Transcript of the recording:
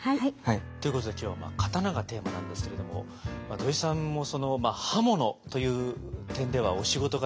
ということで今日は刀がテーマなんですけれども土井さんも刃物という点ではお仕事柄。